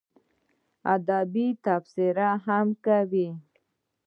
ادبي تبصرې هم کوي.